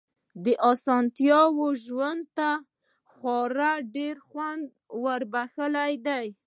دې اسانتياوو ژوند ته خورا ډېر خوند وربښلی دی.